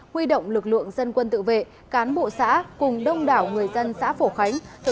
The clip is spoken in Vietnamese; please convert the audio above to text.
huy động lực lượng dân quân tự vệ cán bộ xã cùng đông đảo người dân xã phổ khánh